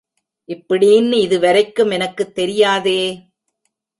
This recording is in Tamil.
இப்படீன்னு இதுவரைக்கும் எனக்குத் தெரியாதே!